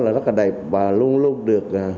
là rất là đẹp và luôn luôn được